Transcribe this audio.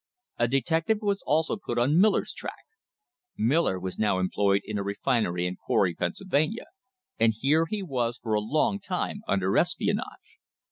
A detective was also put on Miller's track. Miller was now employed in a refinery in Corry, Pennsylvania, and here he was for a long time under espionage.